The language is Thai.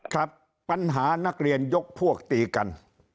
ครับปัญหานักเรียนยกพวกตีกัน